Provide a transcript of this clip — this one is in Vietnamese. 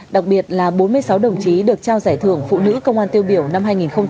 đặc biệt là bốn mươi sáu đồng chí được trao giải thưởng phụ nữ công an tiêu biểu năm hai nghìn hai mươi ba